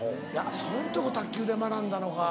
そういうとこ卓球で学んだのか。